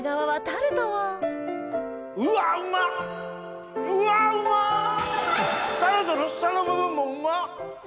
タルトの下の部分もうまっ！